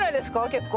結構。